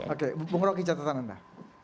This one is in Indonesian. oke bung roky catatan anda